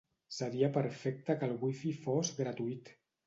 Seria perfecte que el wifi fos gratuït.